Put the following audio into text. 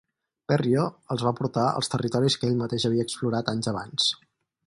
Berrio els va portar als territoris que ell mateix havia explorat anys abans.